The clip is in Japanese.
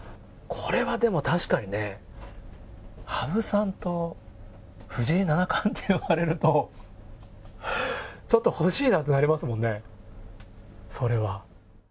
これはでも、確かにね、羽生さんと藤井七冠って言われると、ちょっと欲しいなってなりますもんね、それは。